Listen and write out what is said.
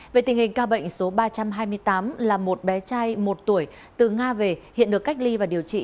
về tình hình ca bệnh số ba trăm hai mươi tám là một bé trai một tuổi từ nga về hiện được cách ly và điều trị